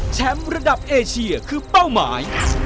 ระดับเอเชียคือเป้าหมาย